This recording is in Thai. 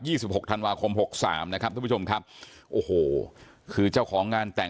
สิบหกธันวาคมหกสามนะครับทุกผู้ชมครับโอ้โหคือเจ้าของงานแต่ง